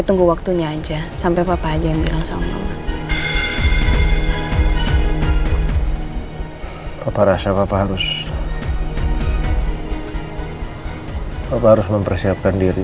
tunggu waktunya aja sampai papa aja bilang sama mama papa rasa papa harus papa harus mempersiapkan diri